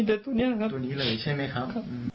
ตัวนี้เลยใช่ไหมครับ